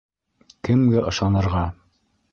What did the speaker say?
Кемгә ышанырға?